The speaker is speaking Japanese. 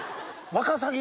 ワカサギ？